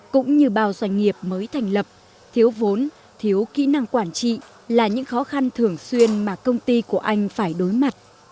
cũng như bao doanh nghiệp mới thành lập thiếu vốn thiếu kỹ năng quản trị là những khó khăn thường xuyên mà công ty của anh phải đối mặt